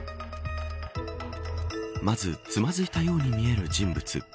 まず、つまずいたように見える人物。